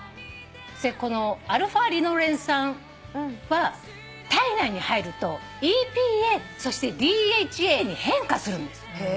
このα−リノレン酸は体内に入るとＥＰＡそしてＤＨＡに変化するんです。